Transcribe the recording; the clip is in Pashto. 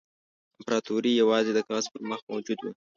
امپراطوري یوازې د کاغذ پر مخ موجوده وه.